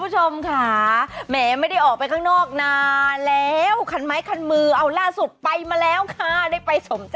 จะเก็บครึ่งเป็นถึงตรี